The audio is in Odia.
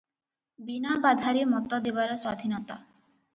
ବିନା ବାଧାରେ ମତ ଦେବାର ସ୍ୱାଧୀନତା ।